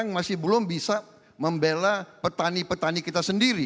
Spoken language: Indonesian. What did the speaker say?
yang masih belum bisa membela petani petani kita sendiri